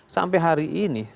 sampai hari ini